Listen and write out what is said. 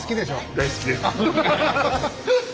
大好きです！